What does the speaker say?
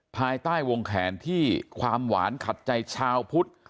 ภายใต้วงแขนที่ความหวานขัดใจชาวพุทธ